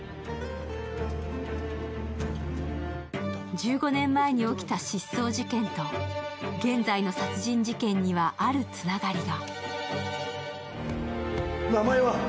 １５年前に起きた失踪事件と現在の殺人事件にはあるつながりが。